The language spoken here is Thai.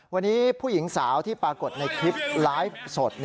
วันนี้ผู้หญิงสาวที่ปรากฏในคลิปไลฟ์สด